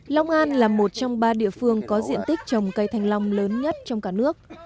long an là một trong ba địa phương có diện tích trồng cây thanh long lớn nhất trong cả nước